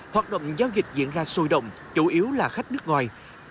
hoạt động giao dịch diễn ra sôi động chủ yếu là khách nước ngoài